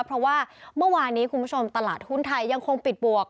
เพราะว่าเมื่อวานนี้คุณผู้ชมตลาดหุ้นไทยยังคงปิดบวก